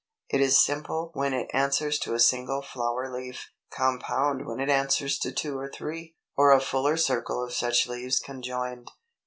It is simple when it answers to a single flower leaf, compound when it answers to two or three, or a fuller circle of such leaves conjoined.